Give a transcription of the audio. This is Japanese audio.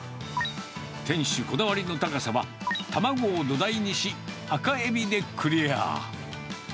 店主こだわりの高さは、卵を土台にし、赤エビでクリア。